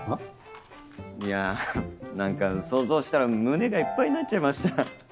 いや何か想像したら胸がいっぱいになっちゃいました。